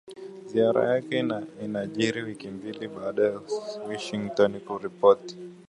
Ziara yake inajiri wiki mbili baada ya Human Rights Watch kutoa ripoti